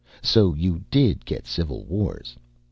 So you did get civil wars.